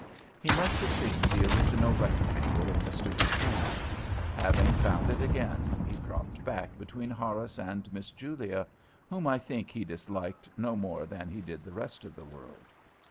He must have seen the original rectangle in the steward's hand; having found it again, he dropped back between Horace and Miss Julia, whom I think he disliked no more than he did the rest of the world.